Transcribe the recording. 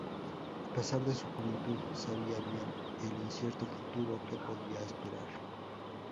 A pesar de su juventud, sabía bien el incierto futuro que podía esperar.